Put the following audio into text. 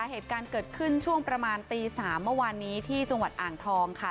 เหตุการณ์เกิดขึ้นช่วงประมาณตี๓เมื่อวานนี้ที่จังหวัดอ่างทองค่ะ